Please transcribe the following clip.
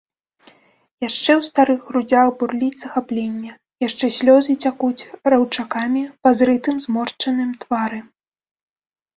Яшчэ ў старых грудзях бурліць захапленне, яшчэ слёзы цякуць раўчакамі па зрытым, зморшчаным твары.